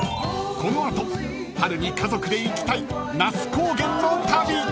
［この後春に家族で行きたい那須高原の旅］